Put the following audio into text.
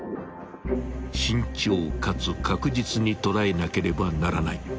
［慎重かつ確実に捕らえなければならない］